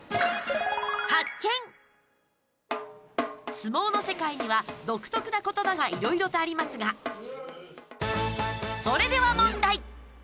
相撲の世界には独特な言葉がいろいろとありますがそれでは問題。